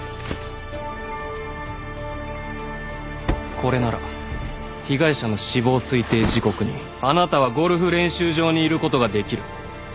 これなら被害者の死亡推定時刻にあなたはゴルフ練習場にいることができる。